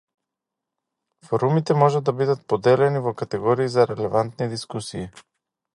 Форумите може да бидат поделени во категории за релевантни дискусии.